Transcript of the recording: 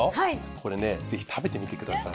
これねぜひ食べてみてください。